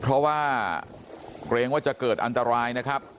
เพราะว่าเกรงว่าจะเกิดอันตรายนะครับ